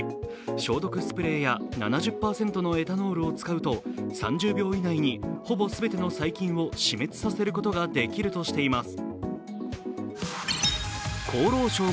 消毒スプレーや７０％のエタノールを使うと３０秒以内にほぼ全ての細菌を死滅させることができるとしています。